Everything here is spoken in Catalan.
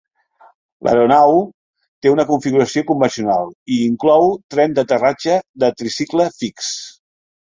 L'aeronau té una configuració convencional i hi inclou tren d'aterratge de tricicle fix.